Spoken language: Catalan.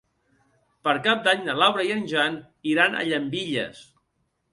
Per Cap d'Any na Laura i en Jan iran a Llambilles.